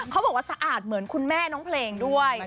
บอกว่าสะอาดเหมือนคุณแม่น้องเพลงด้วย